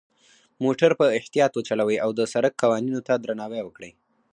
موټر په اختیاط وچلوئ، او د سرک قوانینو ته درناوی وکړئ.